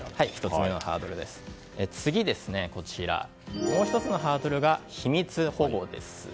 次にもう１つのハードルが秘密保護です。